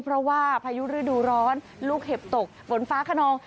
เพราะว่าพายุฤดูร้อนลูกเห็บตกฝนฟ้าขนอง